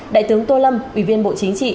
đại tướng tô lâm ủy viên bộ chính trị